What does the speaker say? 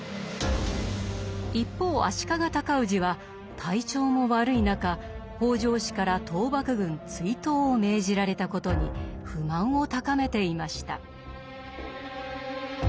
一方足利高氏は体調も悪い中北条氏から討幕軍追討を命じられたことに不満を高めていました。